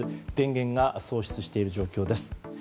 電源が喪失している状況です。